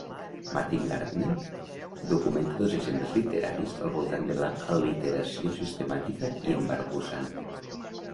Martin Gardner documenta dos exemples literaris al voltant de l'al·literació sistemàtica i embarbussant.